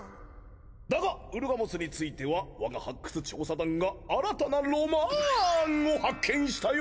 だがウルガモスについては我が発掘調査団が新たなロマンを発見したよ！